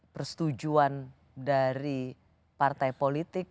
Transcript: persetujuan dari partai politik